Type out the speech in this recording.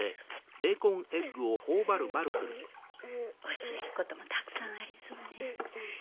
教えることもたくさんありそうね。